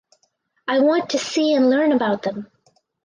I want to see and learn about them.